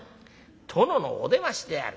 殿のお出ましである。